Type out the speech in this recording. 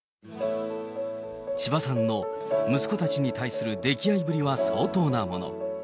千葉さんの息子たちに対する溺愛ぶりは相当なもの。